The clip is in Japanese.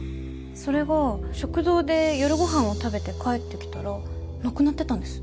それが食堂で夜ご飯を食べて帰ってきたらなくなってたんです。